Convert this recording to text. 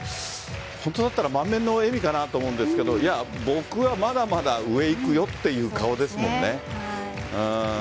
本当だったら満面の笑みかなと思うんですけどいや、僕はまだまだ上に行くよという顔ですよね。